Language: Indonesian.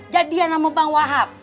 jadian sama bang wahab